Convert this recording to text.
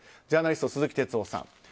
ジャーナリストの鈴木哲夫さん。